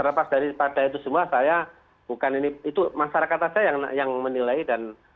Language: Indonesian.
lepas daripada itu semua saya bukan ini itu masyarakat saja yang menilai dan